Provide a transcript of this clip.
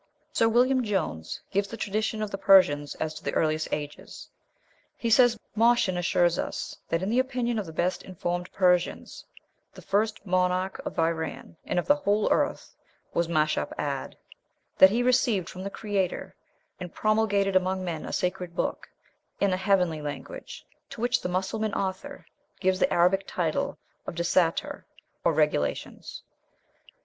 Sir William Jones gives the tradition of the Persians as to the earliest ages. He says: "Moshan assures us that in the opinion of the best informed Persians the first monarch of Iran, and of the whole earth, was Mashab Ad; that he received from the Creator, and promulgated among men a sacred book, in a heavenly language, to which the Mussulman author gives the Arabic title of 'Desatir,' or 'Regulations.'